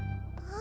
あ！